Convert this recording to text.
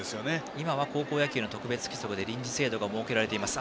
今は高校野球の特別規則で臨時代走が設けられています。